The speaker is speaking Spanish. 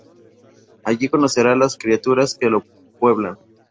Allí conocerá a las criaturas que lo pueblan.